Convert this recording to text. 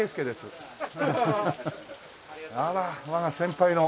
あら我が先輩の。